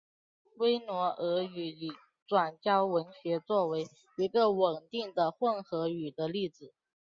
挪威俄语已转交文学作为一个稳定的混合语的例子。